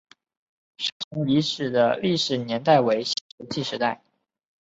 山城遗址的历史年代为新石器时代。